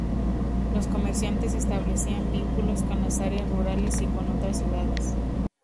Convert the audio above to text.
Los comerciantes establecían vínculos con las áreas rurales y con otras ciudades.